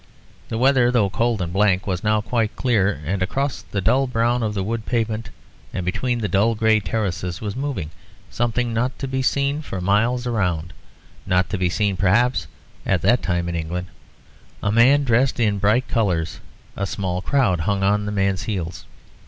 The weather, though cold and blank, was now quite clear, and across the dull brown of the wood pavement and between the dull grey terraces was moving something not to be seen for miles round not to be seen perhaps at that time in England a man dressed in bright colours. A small crowd hung on the man's heels.